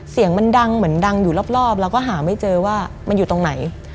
เสียงมันดังเหมือนดังอยู่รอบแล้วก็หาไม่เจอว่ามันอยู่ตรงไหน